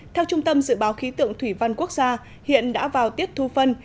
theo trung tâm dự báo khí tượng thủy văn quốc gia hiện đã vào tiết thu phân